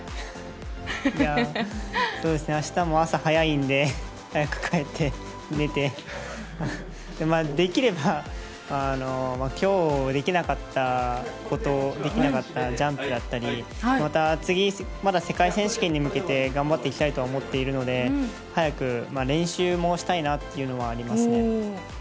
明日も朝早いんで早く帰って、寝てできれば今日できなかったこと、できなかったジャンプだったり次、世界選手権に向けて頑張っていきたいと思っているので早く練習もしたいなっていうのはありますね。